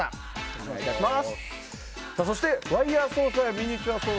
お願いいたします。